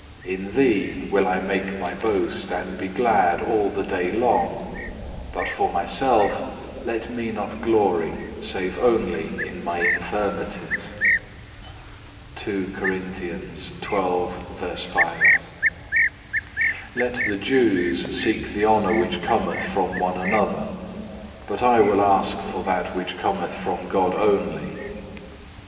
In Thee will I make my boast and be glad all the day long, but for myself let me not glory save only in my infirmities.(2) 6. Let the Jews seek the honour which cometh from one another; but I will ask for that which cometh from God only.